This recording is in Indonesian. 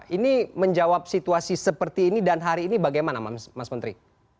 ini menjawab situasi seperti ini dan hari ini bagaimana mas menteri